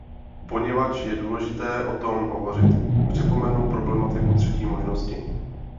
Poněvadž je důležité o tom hovořit, připomenu problematiku třetí možnosti.